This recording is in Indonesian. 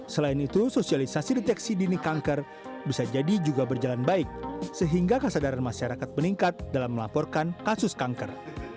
selain itu sosialisasi deteksi dini kanker bisa jadi juga berjalan baik sehingga kesadaran masyarakat meningkat dalam melaporkan kasus kanker